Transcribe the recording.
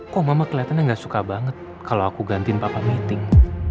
kok mama kelihatannya nggak suka banget kalau aku gantiin papa meeting